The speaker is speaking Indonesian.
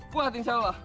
kuat insya allah